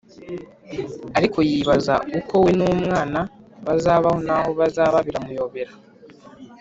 ariko yibaza uko we n’umwana baz- abaho n’aho bazaba biramuyobera.